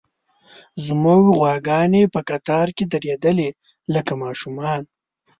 زموږ غواګانې په قطار کې درېدلې، لکه ماشومان.